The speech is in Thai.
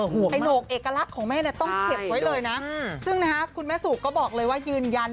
โหนกเอกลักษณ์ของแม่เนี่ยต้องเก็บไว้เลยนะซึ่งนะฮะคุณแม่สุก็บอกเลยว่ายืนยัน